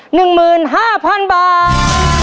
หนึ่งหมื่นห้าพันบาท